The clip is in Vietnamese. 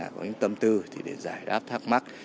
có những tâm tư để giải đáp thắc mắc